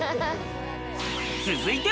続いては。